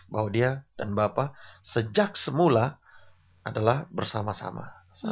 bahwa dia dan bapak sejak semula adalah bersama sama